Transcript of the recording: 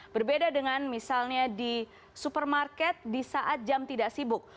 berbeda dengan misalnya di supermarket di saat jam tidak sibuk